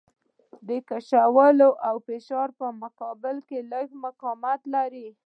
د کشولو او فشار په مقابل کې لږ مقاومت لري.